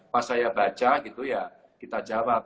pas saya baca gitu ya kita jawab